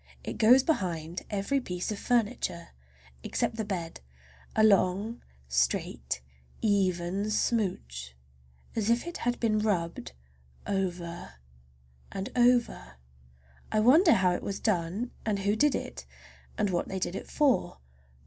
It goes behind every piece of furniture, except the bed, a long, straight, even smooch, as if it had been rubbed over and over. I wonder how it was done and who did it, and what they did it for.